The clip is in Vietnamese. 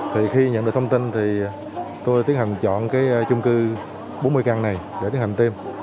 thì khi nhận được thông tin thì tôi tiến hành chọn cái chung cư bốn mươi căn này để tiến hành tiêm